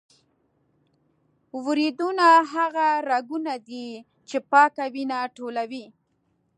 وریدونه هغه رګونه دي چې پاکه وینه ټولوي.